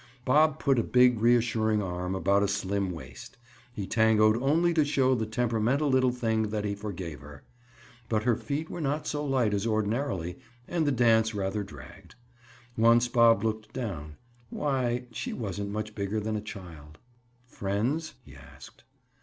Bob put a big reassuring arm about a slim waist. He tangoed only to show the temperamental little thing that he forgave her. But her feet were not so light as ordinarily and the dance rather dragged. Once Bob looked down; why, she wasn't much bigger than a child. "Friends?" he asked.